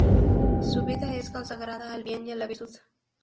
Su vida es consagrada al bien y a la virtud.